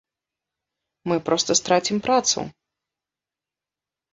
Мы проста страцім працу.